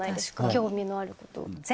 興味のあること。